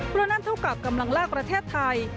เพราะนั่นเท่ากับกำลังลากประเทศไทย